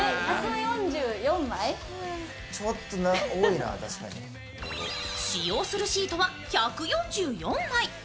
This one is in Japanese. ちょっと多いな、確かに。使用するシートは１４４枚。